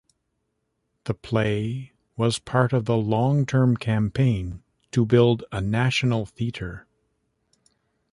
The play was part of the long-term campaign to build a National Theatre.